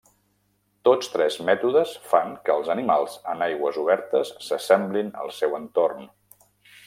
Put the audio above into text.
Tots tres mètodes fan que els animals en aigües obertes s'assemblin al seu entorn.